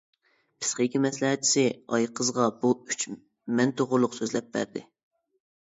پىسخىكا مەسلىھەتچىسى، ئايقىزغا بۇ ئۈچ مەن توغرىلىق سۆزلەپ بەردى.